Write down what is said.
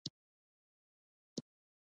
هغه له لوږي په زړو نتلي